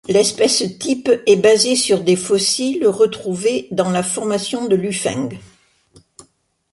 L'espèce-type est basée sur des fossiles retrouvés dans la formation de Lufeng.